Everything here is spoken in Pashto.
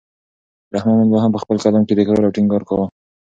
رحمان بابا هم په خپل کلام کې تکرار او ټینګار کاوه.